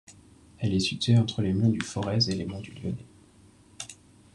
Elle est située entre les monts du Forez et mes monts du Lyonnais.